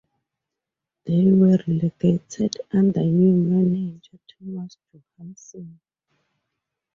They were relegated under new manager Thomas Johansson.